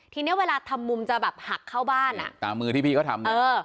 ทีนี้เวลาทำมุมจะแบบหักเข้าบ้านอ่ะตามมือที่พี่เขาทำ